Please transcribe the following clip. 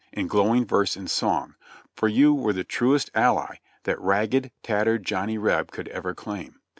in glowing verse and song, for you were the truest ally that ragged, tattered Johnny Reb could ever claim.